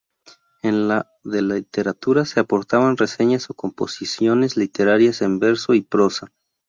En la de Literatura se aportaban reseñas o composiciones literarias en verso y prosa.